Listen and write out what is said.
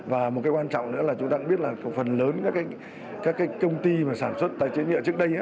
và một cái quan trọng nữa là chúng ta cũng biết là phần lớn các cái công ty mà sản xuất tái chế nhựa trước đây